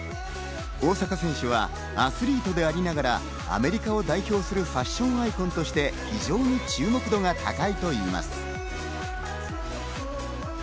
大坂選手はアスリートでありながらアメリカを代表するファッションアイコンとして非常に注目度が高いといいます。